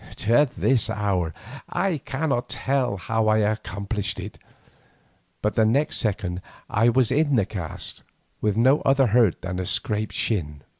To this hour I cannot tell how I accomplished it, but the next second I was in the cask, with no other hurt than a scraped shin.